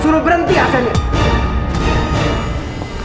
suruh berhenti azannya